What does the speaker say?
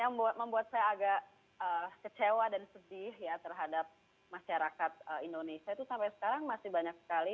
yang membuat saya agak kecewa dan sedih ya terhadap masyarakat indonesia itu sampai sekarang masih banyak sekali